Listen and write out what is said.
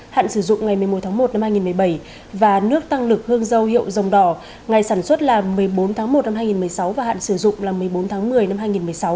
hạn sử dụng ngày một mươi một tháng một năm hai nghìn một mươi bảy và nước tăng lực hương dâu hiệu dòng đỏ ngày sản xuất là một mươi bốn tháng một năm hai nghìn một mươi sáu và hạn sử dụng là một mươi bốn tháng một mươi